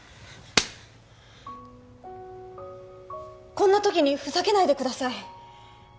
こんな時にふざけないでください